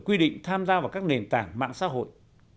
quy định tham gia vào các nền tảng mạng xã hội